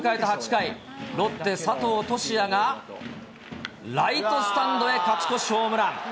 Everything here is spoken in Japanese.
８回、ロッテ、佐藤としやがライトスタンドへ勝ち越しホームラン。